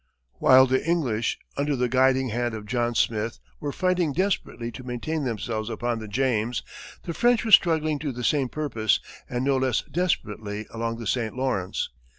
While the English, under the guiding hand of John Smith, were fighting desperately to maintain themselves upon the James, the French were struggling to the same purpose and no less desperately along the St. Lawrence.